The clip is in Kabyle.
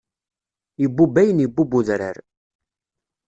Ibubb ayen ibubb udrar.